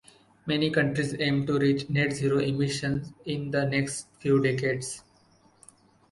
Many countries aim to reach net zero emissions in the next few decades.